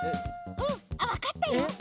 あっわかったよ。